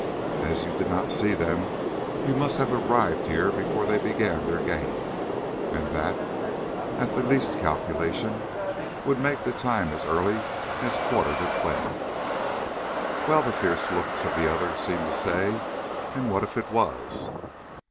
As you did not see them you must have arrived here before they began their game, and that, at the least calculation, would make the time as early as a quarter to twelve." "Well," the fierce looks of the other seemed to say, "and what if it was?"